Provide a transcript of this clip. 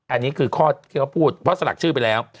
อันนี้คือข้อที่เขาพูดเพราะสลักชื่อไปแล้ว